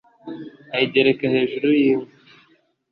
ayigereka hejuru y’inkwi